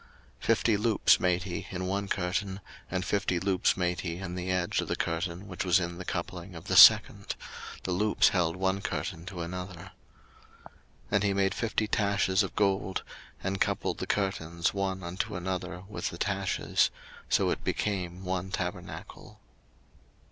02:036:012 Fifty loops made he in one curtain, and fifty loops made he in the edge of the curtain which was in the coupling of the second: the loops held one curtain to another. 02:036:013 And he made fifty taches of gold, and coupled the curtains one unto another with the taches: so it became one tabernacle.